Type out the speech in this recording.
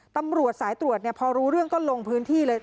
ตำรวจสายตรวจพอรู้เรื่องก็ลงพื้นที่เลย